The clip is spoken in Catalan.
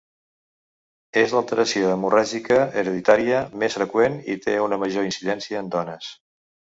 És l’alteració hemorràgica hereditària més freqüent, i té una major incidència en dones.